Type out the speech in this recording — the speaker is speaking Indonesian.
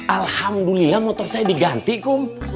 alhamdulillah motor saya diganti kok